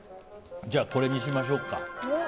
じゃあ、これにしましょうか。